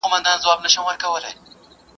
که ریشتیا مو تاریخونه د قرنونو درلودلای ..